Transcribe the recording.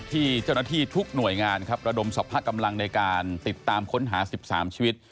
ที่เจ้าหน้าที่ทุกหน่วยงานครับระดมสรรพกำลังในการติดตามค้นหา๑๓ชีวิต